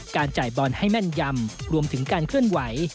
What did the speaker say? จ่ายบอลให้แม่นยำรวมถึงการเคลื่อนไหว